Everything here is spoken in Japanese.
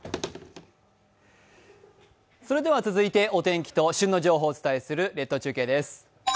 それでは続いてお天気と旬の情報をお伝えする列島中継です。